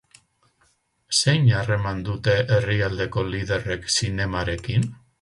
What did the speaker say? Zein harreman dute herrialdeko liderrek zinemarekin?